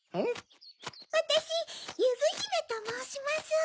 わたしゆずひめともうします。